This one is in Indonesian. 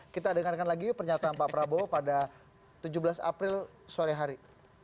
kita dengarkan lagi yuk pernyataan pak prabowo pada tujuh belas april sore hari